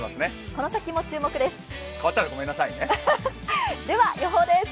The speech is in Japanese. この先も注目です。